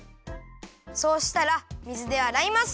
そうしたら水であらいます。